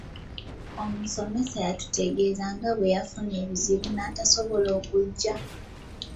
Omusomesa yatutegeeza nga bweyafuna ebizibu n'atasobola kujja.